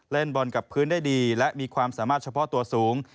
เล่นบอลกับพื้นได้ดีและมีความสามารถเฉพาะตัวสูง